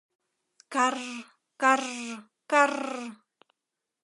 Карр-карр-карр!..